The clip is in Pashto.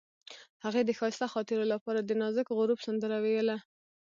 هغې د ښایسته خاطرو لپاره د نازک غروب سندره ویله.